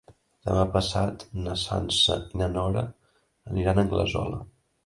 Demà passat na Sança i na Nora aniran a Anglesola.